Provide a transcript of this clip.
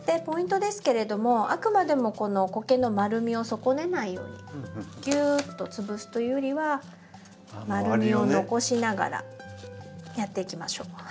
ポイントですけれどもあくまでもこのコケの丸みを損ねないようにギューッと潰すというよりは丸みを残しながらやっていきましょう。